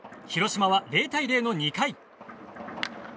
広島は０対０の２回。